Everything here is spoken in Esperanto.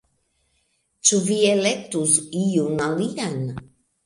Ĉu vi elektus iun alian